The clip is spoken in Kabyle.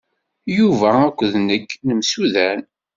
Yuba akked nekk nemsudan.